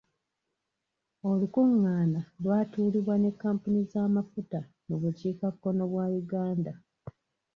Olukungana lwatuulibwa ne kampuni z'amafuta mu bukiika kkono bwa Uganda.